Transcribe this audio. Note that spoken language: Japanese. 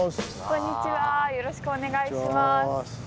よろしくお願いします。